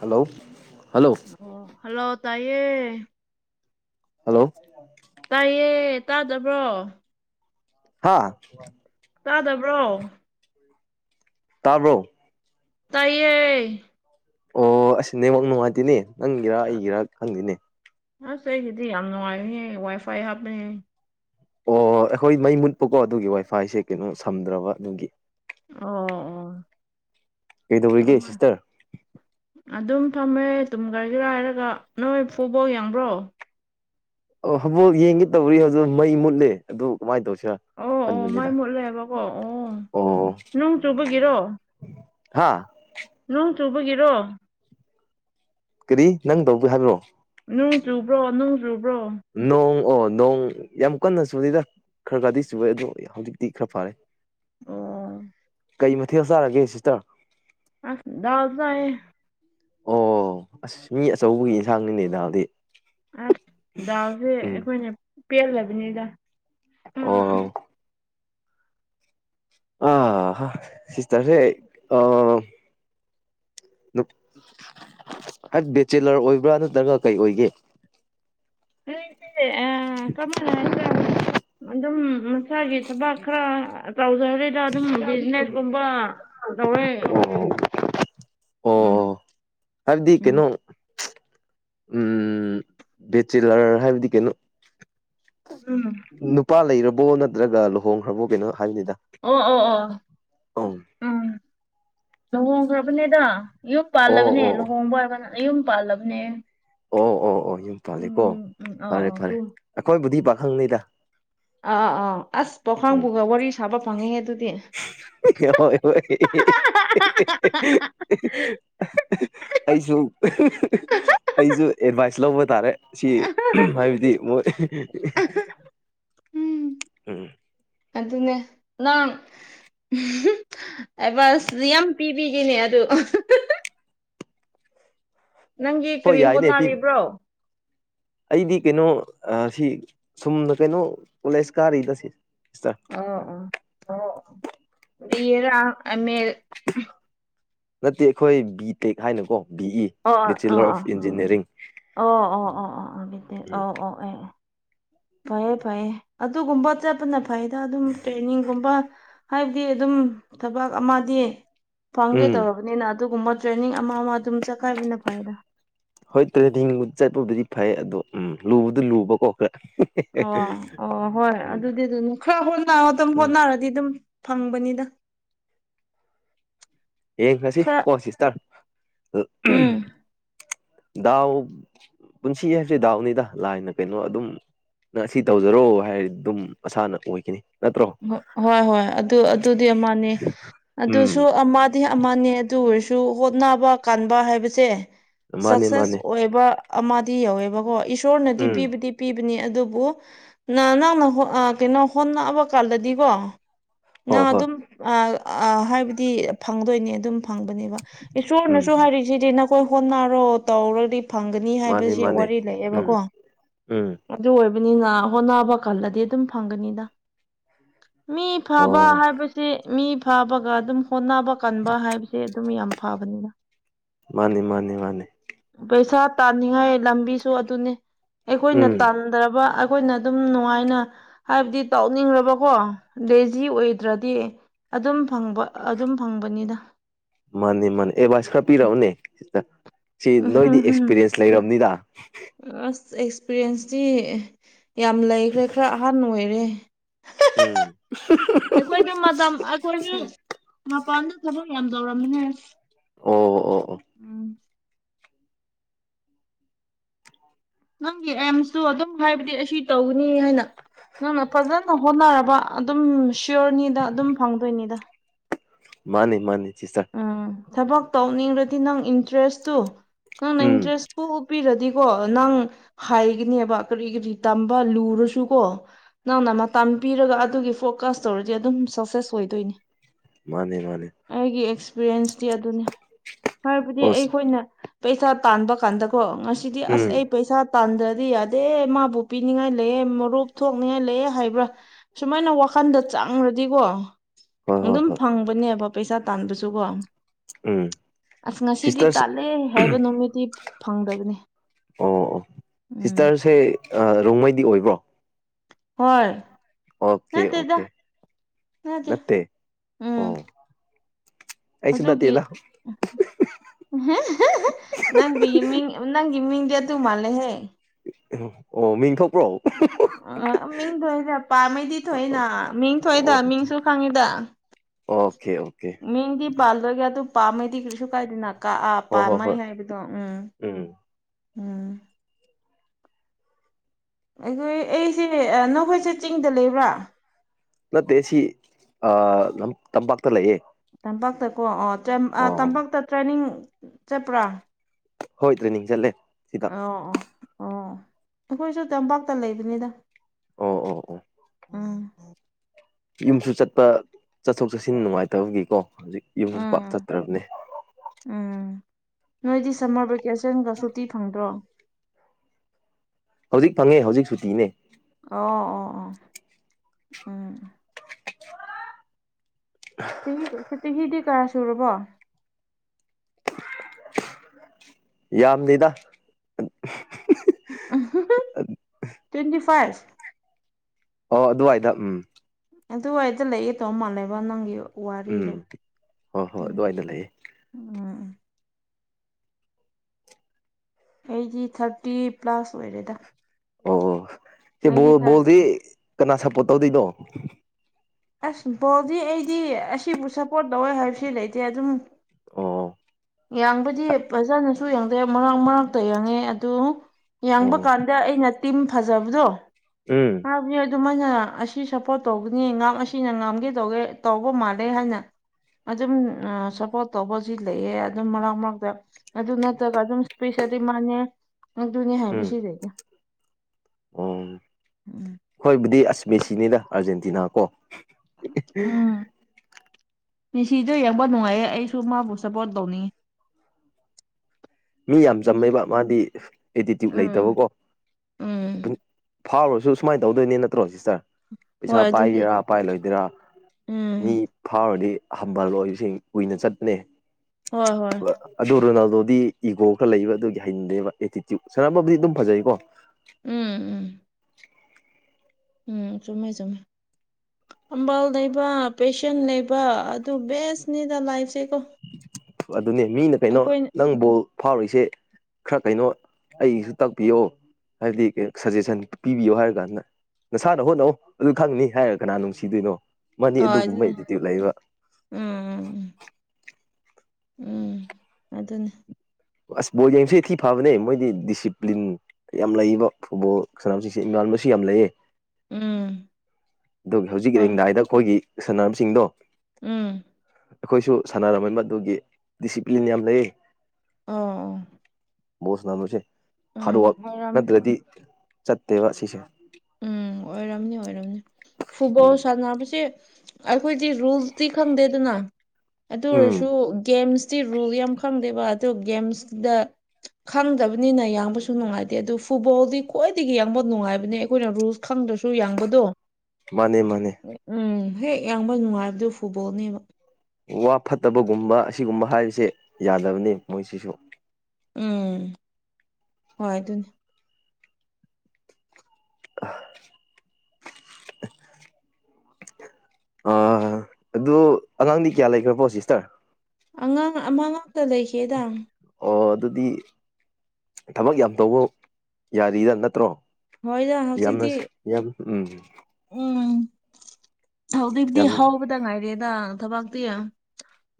hello hello ꯑꯣ hello ꯇꯌꯦ hello [unintelligible] ꯇꯥꯏꯌꯦ ꯇꯥꯗꯕ꯭ꯔꯣ ꯍꯥꯥ ꯇꯥꯗꯕ꯭ꯔꯣ ꯇꯥꯕ꯭ꯔꯣ ꯇꯏꯌꯦ ꯑꯣ ꯑꯁꯤꯁ ꯅꯦꯝꯃꯛ ꯅꯨꯡꯉꯥꯏꯇꯦꯅꯦ ꯅꯪꯒꯤꯔꯥ ꯑꯩꯒꯤꯔꯥ ꯈꯪꯗꯦꯅꯦ ꯑꯁ ꯑꯩꯒꯤꯗꯤ ꯌꯥꯝ ꯅꯨꯡꯉꯥꯏꯔꯍꯦ ꯋꯥꯏ ꯐꯥꯏ ꯍꯥꯞꯄꯦ ꯑꯣ ꯑꯩꯈꯣꯏ ꯃꯩ ꯃꯨꯠꯄꯀꯣ ꯑꯗꯨꯒꯤ ꯋꯥꯏꯐꯥꯏꯁꯦ ꯀꯩꯅꯣ ꯁꯝꯗ꯭ꯔꯕ ꯑꯗꯨꯒꯤ ꯑꯣ ꯀꯩꯗꯧꯔꯤꯒꯦ ꯑꯣ ꯑ ꯁꯤꯁꯇꯔ ꯑꯗꯨꯝ ꯐꯝꯃꯦ ꯇꯨꯝ ꯀꯔꯤꯒꯤꯔ ꯍꯥꯏꯔꯒ ꯅꯣꯏ ꯐꯨꯕꯥꯎ ꯌꯦꯡꯕ꯭ꯔꯣ ꯑꯣ ꯐꯨꯇꯕꯣꯜ ꯌꯦꯡꯒꯦ ꯇꯧꯔꯤ ꯍꯧꯖꯤꯛ ꯃꯩ ꯃꯨꯠꯂꯦ ꯑꯗꯨ ꯀꯃꯥꯏꯅ ꯇꯧꯁꯤꯔ ꯑꯣ ꯑꯣ ꯃꯥꯏ ꯈꯟꯕꯅꯤꯗ ꯃꯨꯠꯂꯦꯕꯀꯣ ꯑꯣ ꯅꯣꯡ ꯆꯨꯕꯒꯤꯔꯣ ꯍꯥꯥ ꯅꯣꯡ ꯆꯨꯕꯒꯤꯔꯣ ꯀꯔꯤ ꯅꯪ ꯇꯧꯒꯦ ꯍꯥꯏꯕꯣ ꯅꯨꯡ ꯆꯨꯕ꯭ꯔꯣ ꯅꯨꯡ ꯆꯨꯕ꯭ꯔꯣ ꯅꯣꯡ ꯑꯣ ꯅꯣꯡ ꯌꯥꯝ ꯀꯟꯅ ꯁꯨꯔꯤꯗ ꯈꯔ ꯈꯔꯗꯤ ꯆꯨꯨꯔꯦ ꯑꯗꯣ ꯍꯧꯖꯤꯛꯇꯤ ꯈꯔ ꯐꯔꯦ ꯑꯣ ꯀꯩ ꯃꯊꯦꯜ ꯆꯥꯔꯒꯦ ꯁꯤꯁꯇꯔ ꯑꯁ ꯗꯜ ꯆꯌꯦ ꯑꯣ ꯑꯁ ꯃꯤ ꯑꯆꯧꯕꯒꯤ ꯏꯟꯁꯥꯡꯅꯤꯅꯦꯗꯥꯗꯤ ꯑꯁ ꯗꯥꯎꯁꯦ ꯑꯩꯈꯣꯏꯅ ꯄꯦꯜꯂꯕꯅꯤꯗ ꯎ ꯑꯣ ꯑꯥ ꯁꯤꯁꯇꯔꯁꯦ ꯑ ꯅꯨꯞ ꯕꯦꯆꯦꯂꯔ ꯑꯣꯏꯕ꯭ꯔꯥ ꯅꯠꯇ꯭ꯔꯒ ꯀꯩ ꯑꯣꯏꯒꯦ ꯅꯣꯏꯁꯦ ꯑ ꯀꯔꯃꯥꯏꯅ ꯍꯏꯁꯤꯔ ꯑꯗꯨꯝ ꯃꯁꯥꯒꯤ ꯊꯕꯛ ꯈꯔ ꯇꯧꯖꯔꯦ ꯑꯗꯨꯝ ꯕꯤꯖꯤꯅꯦꯁ ꯀꯨꯝꯕ ꯇꯧꯋꯦ ꯎꯝ ꯑꯥ ꯑ ꯍꯥꯏꯕꯗꯤ ꯎꯝ ꯀꯩꯅꯣ ꯎ ꯕꯦꯆꯤꯂꯔ ꯍꯥꯏꯕꯗꯤ ꯀꯩꯅꯣ ꯎꯝ ꯅꯨꯄꯥ ꯂꯩꯔꯕꯣ ꯅꯠꯇ꯭ꯔꯒ ꯂꯨꯍꯣꯡꯈ꯭ꯔꯕꯣ ꯀꯩꯅꯣ ꯍꯥꯏꯕꯅꯤꯗ ꯑꯣ ꯑꯣ ꯑꯣ ꯑꯣ ꯎꯝ ꯂꯨꯍꯣꯡꯈ꯭ꯔꯕꯅꯦꯗ ꯌꯨꯝ ꯑꯣ ꯄꯥꯜꯂꯕꯅꯦ ꯑꯣ ꯂꯨꯍꯣꯡꯕ ꯑꯣꯏꯔꯕ ꯌꯨꯝ ꯄꯥꯜꯂꯕꯅꯦ ꯑꯣ ꯑꯣ ꯑꯣ ꯌꯨꯝ ꯄꯥꯜꯜꯂꯤꯦ ꯀꯣ ꯎꯝ ꯎꯝ ꯑꯥ ꯐꯔꯦ ꯑꯥ ꯐꯔꯦ ꯑꯗꯨ ꯑꯩꯈꯣꯏꯕꯨꯗꯤ ꯄꯥꯈꯪꯅꯤꯩꯗ ꯑꯥ ꯑꯥ ꯑꯁ ꯄꯥꯎꯈꯥꯡꯕꯨꯒ ꯋꯥꯔꯤ ꯁꯥꯕ ꯐꯪꯉꯦ ꯑꯗꯨꯗꯤ ꯍꯣꯏ ꯍꯣꯏ ꯑꯩꯁꯨ ꯑꯩꯁꯨ ꯑꯦꯗꯚꯥꯏꯁ ꯂꯧꯕ ꯇꯥꯔꯦ ꯁꯤ ꯍꯥꯏꯕꯗꯤ ꯃꯣꯏ ꯎꯝ, ꯎꯝ ꯑꯗꯨꯅꯦ ꯅꯪ ꯎꯍꯨꯨ ꯑꯗꯚꯥꯏꯖꯗ ꯌꯥꯝ ꯄꯤꯕꯤꯒꯦꯍꯅꯦ ꯑꯗꯨ ꯑꯍꯥꯥ ꯅꯪꯒꯤ ꯍꯣꯏ ꯀꯔꯤ ꯌꯥꯏꯅꯦ ꯄꯤ ꯍꯣꯠꯅꯔꯤꯕ꯭ꯔꯣ ꯑꯩꯗꯤ ꯀꯩꯅꯣ ꯁꯤ ꯁꯨꯝꯅ ꯀꯩꯅꯣ ꯀꯣꯂꯦꯖ ꯀꯥꯔꯤꯗ ꯁꯤꯇꯔ ꯑꯣ ꯑꯣ ꯑꯣꯔ ꯅꯠꯇꯦ ꯑꯩꯈꯣꯏ ꯕꯤ ꯇꯦꯛ ꯍꯥꯏꯅꯀꯣ ꯕꯤ ꯏ ꯑꯣ ꯕꯦꯆꯤꯂꯔ ꯑꯣꯐ ꯏꯟꯖꯤꯅꯤꯌꯥꯔꯤꯡ ꯑꯣ ꯑꯣ ꯑꯣ ꯑꯣ ꯑꯣ ꯑꯗꯨꯗꯤ ꯑꯣ ꯑꯣ ꯑꯣ ꯑꯣ ꯐꯩꯌꯦ ꯐꯩꯌꯦ ꯑꯗꯨꯒꯨꯝꯕ ꯆꯠꯄꯅ ꯐꯩꯇ ꯑꯗꯨꯝ ꯇ꯭ꯔꯦꯅꯤꯡꯒꯨꯝꯕ ꯑ ꯍꯥꯏꯕꯗꯤ ꯑꯗꯨꯝ ꯊꯕꯛ ꯑꯃꯗꯤ ꯐꯪꯒꯦ ꯎꯝ ꯇꯧꯔꯕꯅꯤꯅ ꯑꯗꯨꯒꯨꯝꯕ ꯇ꯭ꯔꯦꯅꯤꯡ ꯑꯃ ꯑꯃ ꯑꯗꯨꯝ ꯆꯠꯈꯥꯏꯕꯅ ꯐꯩꯗ ꯍꯣꯏ ꯇ꯭ꯔꯦꯅꯤꯡꯡ ꯆꯠꯄꯕꯨꯗꯤ ꯐꯩ ꯑꯗꯣ ꯎꯝ ꯂꯨꯕꯗ ꯂꯨꯕ ꯀꯣꯈ꯭ꯔꯦ ꯑꯣ ꯑꯣ ꯍꯣꯏ ꯑꯗꯨꯗꯤ ꯎꯝ ꯈꯔ ꯍꯣꯠ ꯅꯗꯝ ꯎꯝ ꯍꯣꯠꯅꯔꯗꯤ ꯑꯗꯨꯝ ꯐꯪꯕꯅꯤꯗ ꯌꯦꯡꯈ꯭ꯔꯁꯤ ꯈꯔ ꯀꯣ ꯁꯤꯁꯇꯔ ꯎꯝ ꯗꯥꯎ ꯄꯨꯟꯁꯤ ꯍꯥꯏꯕꯁꯤꯦ ꯗꯥꯎꯅꯤꯗ ꯂꯥꯏꯅ ꯀꯩꯅꯣ ꯑꯗꯨꯝ ꯅꯁꯤ ꯇꯧꯖꯔꯣ ꯍꯥꯏꯔꯗꯤ ꯑꯗꯨꯝ ꯃꯁꯥꯅ ꯑꯣꯏꯒꯅꯤ ꯅꯠꯇ꯭ꯔꯣ ꯍꯣꯏ ꯍꯣꯏ ꯑꯗꯨ ꯑꯗꯨꯗꯤ ꯑꯃꯅꯦ ꯎꯝ ꯑꯗꯨꯁꯨ ꯑꯃ ꯗꯤ ꯑꯃ ꯑꯗꯨ ꯑꯣꯏꯔꯁꯨ ꯍꯣꯠꯅꯕ ꯀꯥꯟꯕ ꯍꯥꯏꯕꯁꯦ ꯃꯥꯅꯦ ꯁꯛꯁꯦꯁ ꯃꯥꯅꯦ ꯑꯣꯏꯕ ꯑꯃꯗꯤ ꯌꯧꯋꯦꯕꯀꯣ ꯏꯁꯣꯔꯅꯗꯤ ꯎꯝ ꯄꯤꯕꯗꯤ ꯄꯤꯕꯅꯤ ꯑꯗꯨꯕꯨ ꯅ ꯅꯪꯅ ꯑ ꯀꯩꯅꯣ ꯍꯣꯠꯅꯕ ꯀꯟꯂꯗꯤꯀꯣ ꯍꯣꯏ ꯅꯪ ꯍꯣꯏ ꯑꯗꯨꯝ ꯍꯥꯏꯕꯗꯤ ꯐꯪꯗꯣꯏꯅꯤ ꯑꯗꯨꯝ ꯐꯪꯕꯅꯦꯕ ꯎꯝ ꯏꯁꯣꯔꯅꯁꯨ ꯎꯝ ꯍꯥꯏꯔꯤꯁꯤꯗꯤ ꯅꯈꯣꯏ ꯍꯣꯠꯅꯔꯣ ꯇꯧꯔꯗꯤ ꯐꯪꯒꯅꯤ ꯃꯥꯅꯦ ꯍꯥꯏꯕꯕꯁꯤꯦ ꯃꯥꯅꯦ ꯋꯥꯔꯤ ꯎꯝ ꯂꯩꯑꯦꯕꯀꯣ ꯎꯝ ꯑꯗꯨ ꯑꯣꯏꯕꯅꯤꯅ ꯍꯣꯠꯅꯕ ꯀꯜꯂꯗꯤ ꯑꯗꯨꯝ ꯐꯪꯒꯅꯤꯗ ꯃꯤ ꯐꯥꯕ ꯑꯣ ꯍꯥꯏꯕꯁꯦ ꯃꯤ ꯐꯥꯕꯒ ꯑꯗꯨꯝ ꯍꯣꯠꯅꯕ ꯀꯟꯕ ꯍꯥꯏꯕꯁꯦ ꯑꯗꯨꯝ ꯌꯝ ꯐꯥꯕꯅꯤꯅ ꯃꯥꯅꯤ ꯃꯥꯅꯤ ꯃꯥꯅꯤ ꯄꯩꯁꯥ ꯇꯥꯅꯤꯡꯉꯥꯏ ꯂꯝꯕꯤꯁꯨ ꯑꯗꯨꯅꯤ ꯑꯩꯈꯣꯏꯅ ꯎꯝ ꯐꯗꯔꯕ ꯑꯩꯈꯣꯏꯅ ꯑꯗꯨꯝ ꯅꯨꯡꯉꯥꯏꯅ ꯍꯥꯏꯕꯗꯤ ꯇꯧꯅꯤꯡꯈꯕꯀꯣ ꯂꯦꯖꯤ ꯑꯣꯏꯗ꯭ꯔꯗꯤ ꯑꯗꯨꯝ ꯐꯪꯕ ꯑꯗꯨꯝ ꯐꯪꯕꯅꯤꯗ ꯃꯥꯅꯦ ꯃꯥꯅꯦ ꯑꯦꯗꯚꯥꯏꯁ ꯈꯔ ꯄꯤꯔꯛꯎꯅꯦ ꯁꯤꯗ ꯁꯤ ꯅꯣꯏꯗꯤ ꯎꯝ ꯑꯦꯛꯁꯄꯤꯔꯤꯌꯦꯟꯁ ꯂꯩꯔꯝꯅꯤꯗ ꯑꯁ ꯑꯦꯛꯁꯄꯤꯔꯤꯌꯦꯟꯁꯇꯤ ꯌꯥꯝ ꯂꯩꯈ꯭ꯔꯦ ꯈꯔ ꯑꯍꯟ ꯑꯣꯏꯔꯦ ꯎꯝ ꯑꯩꯈꯣꯏꯗꯣ ꯃꯇꯝ ꯑꯩꯈꯣꯏꯁꯨ ꯃꯄꯥꯟꯗ ꯊꯕꯛ ꯌꯥꯝ ꯇꯧꯔꯝꯃꯦꯍꯁ ꯑꯣ ꯑꯣ ꯑꯣ ꯅꯪꯒꯤ ꯑꯦꯝꯁꯇꯨ ꯑꯗꯨꯝ ꯍꯥꯏꯕꯗꯤ ꯑꯁꯤ ꯇꯧꯅꯤ ꯍꯥꯏꯅ ꯑꯗꯨꯪꯅ ꯐꯖꯅ ꯍꯣꯠꯅꯔꯕ ꯑꯗꯨꯝ ꯁꯤꯌꯣꯔꯅꯤꯗ ꯑꯗꯨꯝ ꯐꯪꯗꯣꯏꯅꯤꯗ ꯃꯥꯅꯤ ꯃꯥꯅꯤ ꯁꯤꯁꯇꯔ ꯎꯝ ꯊꯕꯛ ꯇꯧꯅꯤꯡꯕꯗꯤ ꯅꯪ ꯏꯟꯇꯔꯦꯁꯇꯨ ꯅꯪꯅ ꯎꯝ ꯏꯟꯇꯔꯦꯁ ꯎ ꯎꯞꯄꯤꯔꯗꯤꯀꯣ ꯅꯪ ꯍꯥꯏꯒꯅꯦꯕ ꯀꯔꯤ ꯀꯔꯤ ꯇꯝꯕ ꯂꯨꯔꯁꯨ ꯀꯣ ꯅꯪꯅ ꯃꯇꯝ ꯄꯤꯔꯒ ꯑꯗꯨꯒꯤ ꯐꯣꯔꯀꯥꯁ ꯇꯧꯔꯗꯤ ꯑꯗꯨꯝ ꯁꯛꯁꯦꯁ ꯑꯣꯏꯗꯣꯏꯅꯤ ꯃꯥꯅꯦ ꯃꯥꯅꯦ ꯑꯩꯒꯤ ꯑꯦꯛꯁꯄꯤꯔꯤꯌꯦꯟꯁꯇꯤ ꯑꯗꯨꯅꯤ ꯍꯥꯏꯕꯗꯤ ꯑꯣ ꯑꯩꯈꯣꯏꯅ ꯄꯩꯁꯥ ꯇꯥꯟꯕ ꯀꯥꯟꯗꯀꯣ ꯉꯁꯤꯗꯤ ꯑꯁ ꯎꯝ ꯑꯩ ꯄꯩꯁꯥ ꯇꯥꯟꯗ꯭ꯔꯗꯤ ꯌꯥꯗꯦ ꯃꯥꯕꯨ ꯄꯤꯅꯤꯡꯉꯥꯏ ꯂꯩꯑꯦ ꯃꯔꯨꯞ ꯊꯣꯛꯅꯤꯡꯉꯥꯏ ꯂꯩꯑꯦ ꯍꯥꯏꯕ꯭ꯔꯥ ꯁꯨꯃꯥꯏꯅ ꯋꯥ ꯐꯟꯗ ꯆꯪꯔꯗꯤꯀꯣ ꯍꯣꯏ ꯍꯣꯏ ꯑꯗꯨꯝ ꯍꯣꯏ ꯐꯪꯕꯅꯦꯕ ꯄꯩꯁꯥ ꯇꯥꯟꯗ꯭ꯔꯁꯨꯀꯣ ꯎꯝ ꯑꯁ ꯉꯁꯤꯗꯤ ꯁꯤꯁꯇꯔꯁ ꯇꯥꯂꯦ ꯍꯥꯏꯕ ꯅꯨꯃꯤꯠꯇꯤ ꯐꯪꯗꯕꯅꯦ ꯑꯣ ꯑꯣ ꯎꯝ ꯁꯤꯁꯇꯔꯁꯦ ꯑ ꯔꯣꯡꯃꯩꯗꯤ ꯑꯣꯏꯕ꯭ꯔꯣ ꯍꯣꯏ ꯑꯣꯀꯦ ꯅꯠꯇꯦꯗ ꯑꯣꯀꯦ ꯅꯠꯇꯦ ꯎꯝ ꯑꯣ ꯑꯩꯁꯨ ꯑꯗꯨꯒꯤ ꯅꯠꯇꯦꯗ ꯅꯪꯒꯤꯒꯤ ꯃꯤꯡ ꯅꯪꯒꯤ ꯃꯤꯡꯗꯤ ꯇꯨ ꯃꯥꯜꯦꯍꯦ ꯑꯣ ꯃꯤꯡ ꯊꯣꯛꯄ꯭ꯔꯣ ꯑ ꯃꯤꯡ ꯊꯣꯛꯏꯗ ꯄꯥꯝꯃꯩꯗꯤ ꯊꯣꯛꯑꯏꯅ ꯃꯤꯡ ꯑꯣ ꯊꯣꯛꯏꯗ ꯃꯤꯡꯁꯨ ꯈꯪꯉꯤꯗ ꯑꯣꯀꯦ ꯑꯣꯀꯦ ꯃꯤꯡꯗꯤ ꯄꯥꯜꯗꯣꯏꯒꯦ ꯑꯗꯨ ꯄꯥꯝꯃꯦꯩꯗꯤ ꯀꯩꯁꯨ ꯀꯥꯏꯗꯦꯅ ꯀꯛꯑ ꯍꯣꯏ ꯍꯣꯏ ꯄꯥꯝꯃꯩ ꯍꯣꯏ ꯍꯥꯏꯕꯗꯣ ꯎꯝ ꯎꯝ ꯎꯝ ꯑꯩꯈꯣꯏ ꯑꯩꯁꯦ ꯅꯈꯣꯏꯁꯦ ꯆꯤꯡꯗ ꯂꯩꯕ꯭ꯔꯥ ꯅꯠꯇꯦ ꯁꯤ ꯑ ꯇꯝꯄꯥꯛꯇ ꯂꯩꯌꯦ ꯇꯝꯄꯥꯛꯇ ꯀꯣ ꯑꯣ ꯇꯔꯦꯝ ꯑ ꯑꯣ ꯇꯝꯄꯥꯛꯇ ꯇ꯭ꯔꯦꯅꯤꯡ ꯆꯠꯄ꯭ꯔꯥ ꯍꯣꯏ ꯇ꯭ꯔꯦꯅꯤꯡ ꯆꯠꯂꯦ ꯁꯤꯗ ꯑꯣ ꯑꯣ ꯑꯣ ꯑꯩꯈꯣꯏꯁꯨ ꯇꯝꯄꯥꯛꯇ ꯂꯩꯕꯅꯤꯗ ꯑꯣ ꯑꯣ ꯑꯣ ꯎꯝ ꯌꯨꯝꯁꯨ ꯆꯠꯄ ꯆꯠꯊꯣꯛ ꯆꯠꯁꯤꯟ ꯅꯨꯡꯉꯥꯏꯇꯕꯒꯤꯀꯣ ꯍꯧꯖꯤꯛ ꯌꯨꯝ ꯄꯥꯛ ꯎꯝ ꯆꯠꯇ꯭ꯔꯝꯅꯦ ꯎꯝ ꯅꯣꯏꯗꯤ ꯁꯝꯃꯔ ꯚꯦꯀꯦꯁꯟꯒ ꯁꯨꯇꯤ ꯐꯪꯗ꯭ꯔꯣ ꯍꯧꯖꯤꯛ ꯐꯪꯉꯦ ꯍꯧꯖꯤꯛ ꯁꯨꯇꯤꯅꯦ ꯑꯣ ꯑꯣ ꯑꯣ ꯎꯝ ꯑ ꯆꯍꯤꯤ ꯆꯍꯤꯤꯍꯤꯗꯤ ꯀꯌꯥ ꯁꯨꯔꯕꯣ ꯌꯥꯝꯅꯦꯗ ꯇ꯭ꯋꯦꯟꯇꯤ ꯐꯥꯏꯚ ꯑꯣ ꯑꯗꯨꯋꯥꯏꯗ ꯎꯝ ꯑꯗꯨꯋꯥꯏꯗ ꯂꯩꯒꯦ ꯇꯧ ꯃꯥꯜꯂꯦꯕ ꯅꯪꯒꯤ ꯋꯥꯔꯤꯗꯣ ꯎꯝ ꯍꯣꯏ ꯍꯣꯏ ꯎꯝ ꯑꯗꯨꯋꯥꯏꯗ ꯂꯩꯌꯦ ꯎꯝ ꯎꯝ ꯑꯩꯗꯤ ꯊꯥꯔꯇꯤ ꯄ꯭ꯂꯁ ꯑꯣꯏꯔꯦꯗ ꯑꯣ ꯑꯣ ꯑꯩꯗꯤ ꯁꯦꯣ ꯊꯥꯔ ꯕꯣꯜꯗꯤ ꯀꯅꯥ ꯁꯞꯄꯣꯔꯠ ꯇꯧꯗꯣꯏꯅꯣ ꯑꯁ ꯕꯣꯜꯗꯤ ꯑꯩꯗꯤ ꯑꯁꯤꯕꯨ ꯁꯞꯄꯣꯔꯠ ꯇꯧꯋꯦ ꯍꯥꯏꯕꯁꯤ ꯂꯩꯇꯦ ꯑꯗꯨꯝ ꯑꯣ ꯌꯥꯡꯕꯗꯤ ꯐꯖꯅꯁꯨ ꯌꯥꯡꯗꯦ ꯃꯔꯛ ꯃꯔꯛꯇ ꯌꯦꯡꯉꯦ ꯑꯗꯨ ꯌꯥꯡꯕ ꯀꯥꯟ ꯁꯤꯗ ꯑꯩꯅ ꯇꯤꯝ ꯐꯖꯕꯗꯨ ꯎꯝ ꯍꯥꯏꯕꯗꯤ ꯑꯗꯨꯃꯥꯏꯅ ꯑꯁꯤ ꯁꯞꯄꯣꯔꯠ ꯇꯧꯒꯅꯤ ꯉꯥꯛ ꯉꯁꯤꯅ ꯉꯝꯒꯦ ꯇꯧꯒꯦ ꯇꯧꯕ ꯃꯥꯜꯂꯦ ꯍꯥꯏꯅ ꯑꯗꯨꯝ ꯑ ꯁꯞꯄꯣꯔꯠ ꯇꯧꯕꯁꯤ ꯂꯩꯌꯦ ꯑꯗꯨꯝ ꯃꯔꯛ ꯃꯔꯛꯇ ꯑꯗꯨ ꯅꯠꯇ꯭ꯔꯒ ꯑꯗꯨꯝ ꯏꯁꯄꯤꯁꯦꯜꯗꯤ ꯃꯥꯥꯅꯦ ꯑꯗꯨꯅꯦ ꯍꯥꯏꯗꯤ ꯎꯝ ꯁꯤ ꯂꯩꯇꯦ ꯑꯣ ꯎꯝ ꯍꯣꯏꯕꯨꯗꯤ ꯑꯁ ꯃꯦꯁꯤꯅꯤꯗ ꯑꯥꯔꯖꯦꯟꯇꯤꯅꯥ ꯀꯣ [unintelligible] ꯃꯤꯁꯤꯗꯨ ꯌꯦꯡꯕ ꯅꯨꯡꯉꯥꯏꯌꯦ ꯑꯩꯁꯨ ꯃꯥꯕꯨ ꯁꯞꯄꯣꯔꯠ ꯇꯧꯅꯤꯡꯏ ꯃꯤ ꯌꯥꯝ ꯆꯝꯃꯦꯕ ꯃꯥꯗꯤ ꯑꯦꯇꯤꯇ꯭ꯌꯨꯠ ꯎꯝ ꯂꯩꯇꯕꯀꯣ ꯎꯝ ꯐꯥꯎꯔꯁꯨ ꯁꯨꯃꯥꯏ ꯇꯧꯗꯣꯏꯅꯦ ꯅꯠꯇ꯭ꯔꯣ ꯁꯤꯁꯇꯔ ꯄꯩꯁꯥ ꯍꯣꯏ ꯑꯗꯨꯅꯦ ꯄꯥꯏꯒꯦꯔꯥ ꯄꯥꯏꯂꯣꯏꯗꯦꯔꯥ ꯃꯤ ꯎꯝ ꯐꯥꯎꯔꯗꯤ ꯍꯝꯕꯜ ꯑꯣꯏꯕꯁꯤ ꯀꯨꯏꯅ ꯆꯠꯄꯅꯦ ꯍꯣꯏ ꯍꯣꯏ ꯑꯗꯨ ꯔꯣꯅꯥꯜꯗꯣꯗꯤ ꯏꯒꯣ ꯈꯔ ꯂꯩꯕ ꯑꯗꯨꯒꯤ ꯍꯩꯅꯗꯦꯕ ꯑꯦꯇꯤꯇ꯭ꯌꯨꯠ ꯁꯔꯝꯕꯕꯨꯗꯤ ꯑꯗꯨꯝ ꯐꯖꯩꯀꯣ ꯎꯝ ꯎꯝ [inaudible] ꯎꯝ ꯆꯨꯝꯃꯦ ꯆꯨꯝꯃꯦ ꯍꯝꯕꯜ ꯂꯩꯩꯕ ꯄꯦꯁꯦꯟ ꯂꯩꯕ ꯑꯗꯨ ꯕꯦꯁꯅꯤꯗ ꯂꯥꯏꯐꯁꯦꯀꯣ ꯑꯗꯨꯅꯦ ꯃꯤꯅ ꯀꯩꯅꯣ ꯑꯩꯈꯣꯏꯅ ꯅꯪ ꯕꯣꯜ ꯐꯥꯎꯔꯤꯁꯦ ꯈꯔ ꯀꯩꯅꯣ ꯑꯩꯒꯤꯁꯨ ꯇꯥꯛꯄꯤꯌꯣ ꯍꯥꯏꯕꯗꯤ ꯁꯖꯦꯁꯟ ꯄꯤꯕꯤꯌꯣ ꯍꯥꯏꯔꯀꯥꯟꯗ ꯅꯁꯥꯅ ꯍꯣꯠꯅꯧꯋꯣ ꯑꯗꯨꯈꯪꯅꯤ ꯍꯥꯏꯔ ꯀꯅꯥ ꯅꯨꯡꯁꯤꯗꯣꯏꯅꯣ ꯃꯥꯗꯤ ꯑ ꯑꯗꯨꯒꯨꯝꯕ ꯑꯗꯨꯅꯦ ꯑꯦꯇꯤꯇ꯭ꯌꯨꯠ ꯂꯩꯕ ꯎꯝ [inaudible] ꯑꯗꯨꯅꯤ ꯑꯁ ꯕꯣꯜ ꯌꯦꯡꯕꯁꯦ ꯊꯤ ꯐꯕꯅꯦ ꯃꯣꯏꯗꯤ ꯗꯤꯁꯤꯄ꯭ꯂꯤꯟ ꯌꯥꯝ ꯂꯩꯕ ꯐꯨꯠꯕꯣꯜ ꯁꯥꯅꯕꯁꯤꯡꯁꯤ ꯏꯃꯥꯟꯅꯕꯁꯨ ꯌꯥꯝ ꯂꯩꯌꯦ ꯎꯝ ꯑꯗꯨ ꯍꯧꯖꯤꯛ ꯍꯣꯏ ꯔꯦꯡꯗꯥꯏꯗ ꯑꯩꯈꯣꯏꯒꯤ ꯁꯥꯟꯅꯕꯁꯤꯡꯗꯣ ꯎꯝ ꯑꯩꯈꯣꯏꯁꯨ ꯁꯥꯟꯅꯔꯝꯃ ꯃꯗꯨꯒꯤ ꯗꯤꯁꯤꯄ꯭ꯂꯤꯟ ꯌꯥꯝ ꯂꯩꯌꯦ ꯑꯣ ꯕꯣꯁ ꯅꯝꯕꯁꯤ ꯎꯝ ꯍꯥꯔꯠꯋꯥꯛ ꯑꯣꯏꯔꯝ ꯅꯠꯇ꯭ꯔꯗꯤ ꯆꯠꯇꯦꯕ ꯁꯤꯁꯦ ꯎꯝ ꯑꯣꯏꯔꯝꯅꯤ ꯑꯣꯏꯔꯝꯅꯤ ꯐꯨꯠꯕꯣꯜ ꯎꯝ ꯁꯥꯟꯅꯕꯁꯤ ꯑꯩꯈꯣꯏꯗꯤ ꯔꯨꯜꯁꯇꯤ ꯈꯪꯗꯦ ꯑꯗꯨꯅ ꯑꯗꯨ ꯎꯝ ꯑꯣꯏꯔꯁꯨ ꯒꯦꯝꯁ ꯆꯤ ꯔꯨꯜ ꯌꯥꯝ ꯈꯪꯗꯦꯕ ꯑꯗꯨ ꯒꯦꯝꯁꯗ ꯈꯪꯗꯕꯅꯤꯅ ꯌꯥꯡꯕꯁꯨ ꯅꯨꯡꯉꯥꯏꯇꯦ ꯑꯗꯨ ꯐꯨꯠꯕꯣꯜꯗꯤ ꯈ꯭ꯋꯥꯏꯗꯒꯤ ꯌꯥꯡꯕ ꯅꯨꯡꯉꯥꯏꯕꯅꯤ ꯑꯩꯈꯣꯏꯅ ꯔꯨꯜꯁ ꯈꯪꯗ꯭ꯔꯁꯨ ꯌꯥꯡꯕꯗꯣ ꯃꯥꯅꯦ ꯃꯥꯅꯦ ꯎꯝ ꯍꯦꯛ ꯌꯥꯡꯕ ꯅꯨꯡꯉꯥꯏꯕꯗꯨ ꯐꯨꯠꯕꯣꯜꯅꯦꯕ ꯋꯥ ꯐꯠꯇꯕꯒꯨꯝꯕ ꯑꯁꯤꯒꯨꯝꯕ ꯍꯥꯏꯕꯁꯦ ꯌꯥꯗꯕꯅꯤ ꯃꯣꯏꯁꯤꯁꯨ ꯎꯝ ꯍꯣꯏ ꯑꯗꯨꯅꯤ [unintelligible] ꯑ ꯑꯗꯨ ꯑꯉꯥꯡꯗꯤ ꯀꯌꯥ ꯂꯩꯈ꯭ꯔꯕꯣ ꯁꯤꯁꯇꯔ ꯑꯉꯥꯡ ꯑꯃ ꯉꯥꯛꯇ ꯂꯩꯈꯤꯗ ꯑꯣ ꯑꯗꯨꯗꯤ ꯊꯕꯛ ꯌꯥꯝ ꯇꯧꯕ ꯌꯥꯔꯤꯔ ꯅꯠꯇ꯭ꯔꯣ ꯍꯣꯏꯗ ꯌꯥꯝꯅ ꯍꯧꯖꯤꯛꯇꯤ ꯌꯥꯝ ꯎꯝ ꯎꯝ ꯍꯧꯖꯤꯛꯇꯤ ꯌꯥꯝ ꯍꯧꯕꯇ ꯉꯥꯏꯔꯦꯗ ꯊꯕꯛꯇꯤ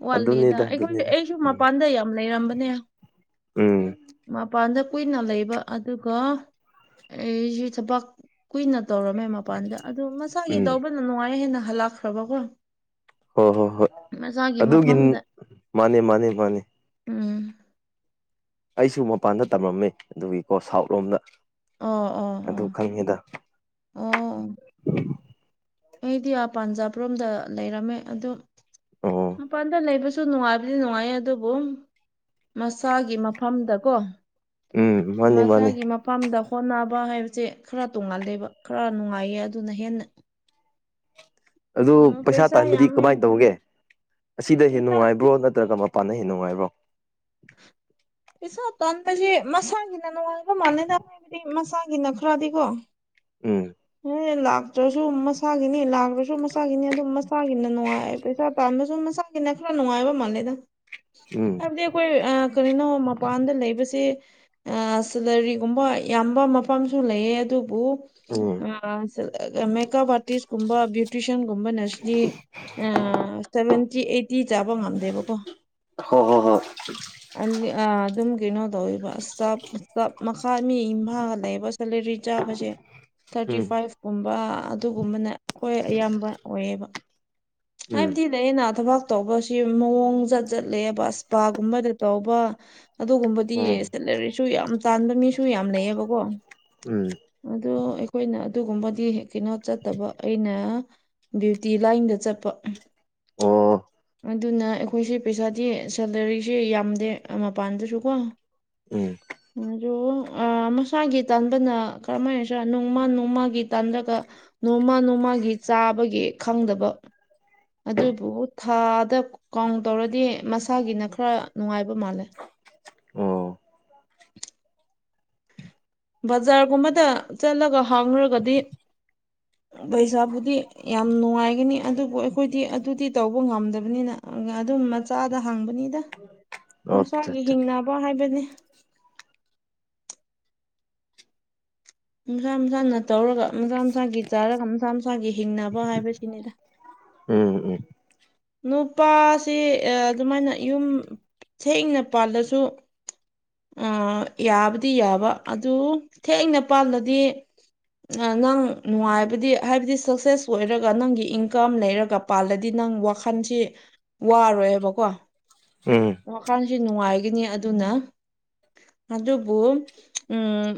ꯋꯥꯠꯂꯤꯗ ꯑꯗꯨꯅꯤꯗ ꯑꯩꯈꯣꯏ ꯑꯗꯨꯅꯤꯗ ꯑꯩꯁꯨ ꯎꯝ ꯃꯄꯥꯟꯗ ꯌꯥꯝ ꯂꯩꯔꯝꯕꯅꯦ ꯎꯝ ꯃꯄꯥꯟꯗ ꯀꯨꯏꯅ ꯂꯩꯕ ꯑꯗꯨꯒ ꯑꯩꯁꯤ ꯊꯕꯛ ꯀꯨꯏꯅ ꯇꯧꯔꯝꯃꯦ ꯃ ꯃꯄꯥꯟꯗ ꯑꯗꯣ ꯃꯁꯥꯒꯤ ꯎꯝ ꯇꯧꯕꯅ ꯅꯨꯡꯉꯥꯏ ꯍꯦꯟꯅ ꯍꯜꯂꯛꯈ꯭ꯔꯕꯀꯣ ꯍꯣ ꯍꯣ ꯍꯣꯏ ꯃꯁꯥꯒꯤ ꯑꯗꯨꯒꯤꯅꯤ ꯃꯐꯝꯗ ꯃꯥꯅꯦ ꯃꯥꯅꯦ ꯃꯥꯅꯦ ꯎꯝ ꯑꯩꯁꯨ ꯃꯄꯥꯟꯗ ꯇꯝꯂꯝꯝꯃꯦ ꯑꯗꯨꯒꯤꯀꯣ ꯁꯥꯎꯠ ꯂꯣꯝꯗ ꯑ ꯑ ꯑꯗꯨ ꯈꯪꯉꯦꯗ ꯑꯣꯥ [inaudible] ꯑꯩꯗꯤ ꯄꯥꯟꯖꯥꯔꯣꯝꯗ ꯂꯩꯔꯝꯃꯦ ꯑꯗꯨꯣ ꯑꯣ ꯃꯄꯥꯟꯗ ꯂꯩꯕꯁꯨ ꯑꯗꯨ ꯅꯨꯡꯉꯥꯏꯕꯗꯤ ꯅꯨꯡꯉꯥꯏ ꯑꯗꯨꯕꯨ ꯃꯁꯥꯒꯤ ꯃꯐꯝꯗꯀꯣ ꯎꯝ ꯃꯥꯅꯤ ꯃꯥꯅꯤ ꯃꯁꯥꯒꯤ ꯃ ꯃꯄꯥꯝꯗ ꯍꯣꯠꯅꯕ ꯍꯥꯏꯕꯁꯦ ꯈꯔ ꯇꯣꯡꯉꯥꯜꯂꯦꯕ ꯈꯔ ꯅꯨꯡꯉꯥꯏꯌꯦ ꯑꯗꯨꯅ ꯍꯦꯟꯅ ꯑꯗꯨ ꯎꯝ ꯄꯩꯁꯥ ꯇꯥꯟꯕꯗꯤ ꯌꯥꯝ ꯌꯥꯝ ꯀꯃꯥꯏꯅ ꯇꯧꯒꯦ ꯑꯁꯤꯗ ꯍꯦꯟꯅ ꯄꯩꯁꯥ ꯅꯨꯡꯉꯥꯏꯕ꯭ꯔꯣ ꯅꯠꯇ꯭ꯔꯒ ꯄꯥꯟꯅꯩ ꯅꯨꯡꯉꯥꯏꯕ꯭ꯔꯣ ꯄꯩꯁꯥ ꯇꯟꯥꯟꯕꯁꯦ ꯃꯁꯥꯒꯤꯅ ꯅꯨꯡꯉꯥꯏꯕ ꯃꯥꯟꯅꯩꯗ ꯍꯥꯏꯕꯗꯤ ꯃꯁꯥꯒꯤꯅ ꯈꯔꯗꯤꯀꯣ ꯎꯝ ꯑꯦ ꯂꯥꯛꯇ꯭ꯔꯁꯨ ꯃꯁꯥꯒꯤꯅꯤ ꯂꯥꯛꯇ꯭ꯔꯁꯨ ꯃꯁꯥꯒꯤꯅꯤ ꯑꯗꯨꯝ ꯃꯁꯥꯒꯤꯅ ꯅꯨꯡꯉꯥꯏ ꯄꯩꯁꯥ ꯄꯝꯕꯁꯨ ꯃꯁꯥꯒꯤꯅ ꯈꯔ ꯅꯨꯡꯉꯥꯏꯕ ꯃꯥꯜꯂꯦꯗ ꯎꯝ ꯍꯥꯏꯕꯗꯤ ꯑꯩꯈꯣꯏ ꯀꯔꯤꯅꯣ ꯃꯄꯥꯟꯗ ꯂꯩꯕꯁꯦ ꯁꯂꯔꯤꯒꯨꯝꯕ ꯌꯥꯝꯕ ꯃꯐꯝꯁꯨ ꯂꯩꯑ ꯑꯗꯨꯕꯨ ꯎꯝ ꯑ ꯃꯦꯀꯞ ꯑꯔꯇꯤꯁ ꯀꯨꯝ꯭ꯌꯨ ꯇ꯭ꯋꯁꯟꯒꯨꯝꯕꯅ ꯁꯤꯗꯤ ꯁꯚꯦꯟꯇꯤ ꯑꯩꯠꯇꯤ ꯆꯥꯕ ꯉꯝꯗꯦꯕꯀꯣ ꯍꯣ ꯍꯣ ꯍꯣꯏ ꯑꯗꯨꯝ ꯀꯩꯅꯣ ꯇꯧꯋꯕꯞ ꯆꯞ ꯃꯈꯥ ꯃꯤ ꯏꯝꯐꯥꯜꯒ ꯂꯩꯕ ꯁꯂꯔꯤ ꯆꯥꯕꯁꯦ ꯊꯥꯔꯇꯤ ꯎꯝ ꯐꯥꯏꯚ ꯀꯨꯝꯕ ꯑꯗꯨꯒꯨꯝꯕꯅ ꯈ꯭ꯋꯥꯏ ꯑꯌꯥꯝꯕ ꯑꯣꯏꯌꯦ ꯎꯝ ꯍꯥꯏꯕꯗꯤ ꯑꯩꯅ ꯑꯩꯅ ꯊꯕꯛ ꯇꯧꯕꯁꯤ ꯃꯑꯣꯡꯖꯠ ꯆꯠꯂꯦꯕ ꯑꯁꯄꯥꯒꯨꯝꯕꯗ ꯇꯧꯕ ꯑꯗꯨꯒꯨꯝꯕꯗꯤ ꯎꯝ ꯁꯦꯂꯔꯤꯁꯨ ꯌꯥꯝ ꯇꯥꯟꯕ ꯃꯤꯁꯨ ꯌꯥꯝ ꯂꯩꯌꯦꯕꯀꯣ ꯎꯝ ꯑꯗꯣ ꯑꯩꯈꯣꯏꯅ ꯑꯗꯨꯒꯨꯝꯕꯗꯤ ꯀꯩꯅꯣ ꯆꯠꯇꯕ ꯑꯩꯅ ꯗꯕ꯭ꯌꯨꯇꯤ ꯂꯥꯏꯟꯗ ꯆꯠꯄ ꯑꯣ ꯑꯗꯨꯅ ꯑꯩꯈꯣꯏꯁꯦ ꯄꯩꯁꯥꯗꯤ ꯁꯦꯂꯔꯤꯁꯤ ꯌꯥꯝꯗꯦ ꯃꯄꯥꯟꯗꯁꯨ ꯀꯣ ꯎꯝ ꯑꯗ ꯃꯁꯥꯒꯤ ꯇꯥꯟꯕꯅ ꯀꯔꯝꯍꯥꯏꯅꯁꯤ ꯅꯣꯡꯃ ꯅꯣꯡꯃꯒꯤ ꯇꯥꯟꯂꯒ ꯅꯣꯡꯃ ꯅꯣꯡꯃꯒꯤ ꯆꯥꯕꯒꯤ ꯈꯪꯗꯕ ꯑꯗꯨꯕꯨ ꯊꯥꯗ ꯀꯥꯎꯟ ꯇꯧꯔꯗꯤ ꯃꯁꯥꯒꯤꯅ ꯈꯔ ꯅꯨꯡꯉꯥꯏꯕ ꯃꯥꯜꯂꯦ ꯑꯣ ꯕꯖꯥꯔꯒꯨꯝꯕꯗ ꯆꯠꯂꯒ ꯍꯥꯡꯈ꯭ꯔꯒꯗꯤ ꯄꯩꯁꯥꯕꯨꯗꯤ ꯌꯥꯝ ꯅꯨꯡꯉꯥꯏꯒꯅꯤ ꯑꯗꯨꯕꯨ ꯑꯩꯈꯣꯏꯗꯤ ꯑꯗꯨꯗꯤ ꯇꯧꯕ ꯉꯝꯗꯕꯅꯤꯅ ꯑꯗꯨꯝ ꯃꯆꯥꯗ ꯍꯥꯡꯕꯅꯤꯗ ꯑꯣ ꯑꯠꯆꯥ ꯃꯁꯥꯒꯤ ꯑꯠꯆꯥ ꯍꯤꯡꯅꯕ ꯍꯥꯏꯕꯅꯤ ꯃꯁꯥ ꯃꯁꯥꯅ ꯇꯧꯔꯒ ꯃꯁꯥ ꯃꯁꯥꯒꯤ ꯆꯥꯔꯒ ꯃꯁꯥ ꯃꯁꯥꯒꯤ ꯍꯤꯡꯅꯕ ꯍꯥꯏꯕꯁꯤꯅꯤꯗ ꯎꯝ ꯎꯝ ꯅꯨꯄꯥꯁꯤ ꯑꯗꯨꯃꯥꯏꯅ ꯌꯨꯝ ꯊꯦꯡꯅ ꯄꯥꯜꯂꯁꯨ ꯑ ꯌꯥꯕꯨꯗꯤ ꯌꯥꯕ ꯑꯗꯨ ꯊꯦꯡꯅ ꯄꯥꯜꯂꯗꯤ ꯅꯪ ꯅꯨꯡꯉꯥꯏꯕꯗꯤ ꯍꯥꯏꯕꯗꯤ ꯁꯛꯁꯦꯁ ꯑꯣꯏꯔꯒ ꯅꯪꯒꯤ ꯏꯟꯀꯝ ꯂꯩꯔꯒ ꯃꯄꯥꯥꯟꯜꯗꯗꯤ ꯅꯪ ꯋꯥꯈꯜꯁꯤ ꯋꯥꯔꯣꯏꯕꯀꯣ ꯎꯝ ꯋꯥꯥꯟꯁꯤ ꯅꯨꯡꯉꯥꯏꯒꯅꯤ ꯑꯗꯨꯅ ꯑꯗꯨꯕꯨ ꯎꯝ